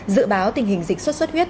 dự báo tình hình dịch sốt xuất huyết